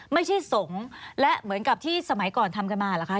ไม่ใช่สงฆ์และเหมือนกับที่สมัยก่อนทำกันมาเหรอคะ